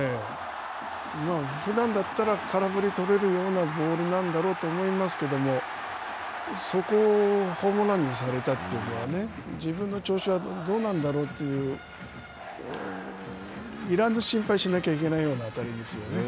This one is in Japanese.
ふだんだったら空振りを取れるようなボールなんだろうと思いますけども、そこをホームランにされたというのはね、自分の調子がどうなんだろうという、要らぬ心配をしなきゃいけないような当たりですよね。